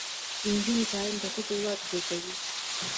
د نجونو تعلیم د ښځو واک زیاتوي.